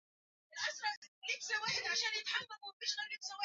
Soma wakati huu ukifikiria maisha yako ya usoni.